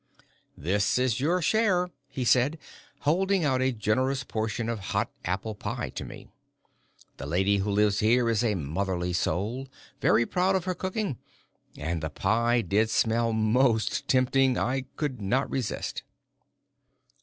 "This is your share," he said, holding out a generous portion of hot apple pie to me. "The lady who lives here is a motherly soul very proud of her cooking, and the pie did smell most tempting I could not resist."